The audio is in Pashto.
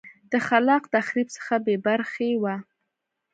د خلاق تخریب څخه بې برخې وه